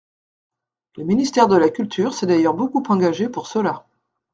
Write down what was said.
Le ministère de la culture s’est d’ailleurs beaucoup engagé pour cela.